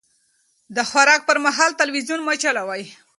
د خوراک پر مهال تلويزيون مه چلوئ.